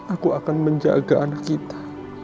aku akan menjaga anak kita